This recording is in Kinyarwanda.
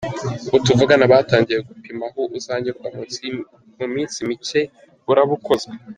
Ubu tuvugana batangiye gupima aho uzanyura mu minsi mike uraba ukozwe.